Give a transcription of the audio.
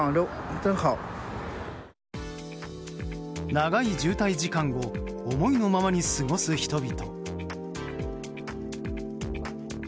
長い渋滞時間を思いのままに過ごす人々。